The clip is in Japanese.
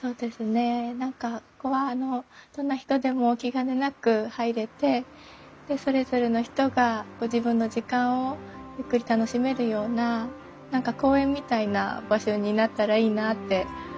そうですね何かここはあのどんな人でも気兼ねなく入れてそれぞれの人がご自分の時間をゆっくり楽しめるような何か公園みたいな場所になったらいいなって思ってます。